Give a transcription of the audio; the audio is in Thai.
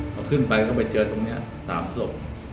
พอขึ้นไปก็ไปเจอตรงนี้๓ศพ